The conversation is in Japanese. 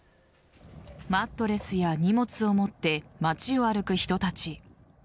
マットレスや荷物を持って街を歩く人たち。